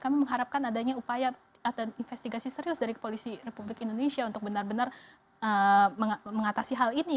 kami mengharapkan adanya upaya atau investigasi serius dari polisi republik indonesia untuk benar benar mengatasi hal ini